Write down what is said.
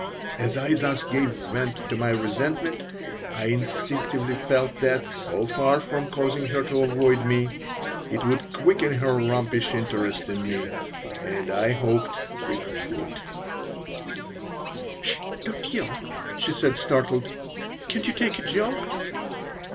As I thus gave vent to my resentment I instinctively felt that, so far from causing her to avoid me, it would quicken her rompish interest in me. And I hoped it would "'S sh! don't yell," she said, startled. "Can't you take a joke?"